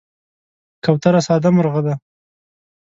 کوتره ساده مرغه ده.